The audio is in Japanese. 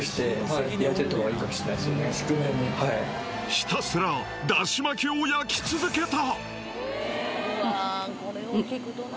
ひたすらだし巻きを焼き続けた！